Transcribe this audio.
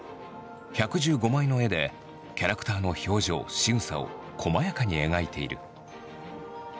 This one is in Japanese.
１１５枚の絵でキャラクターの表情しぐさをこまやかに描いている。